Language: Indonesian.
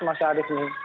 masa ada ini